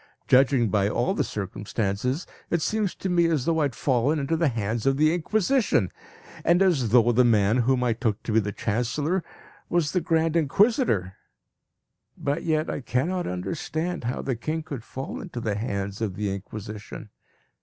Judging by all the circumstances, it seems to me as though I had fallen into the hands of the Inquisition, and as though the man whom I took to be the Chancellor was the Grand Inquisitor. But yet I cannot understand how the king could fall into the hands of the Inquisition.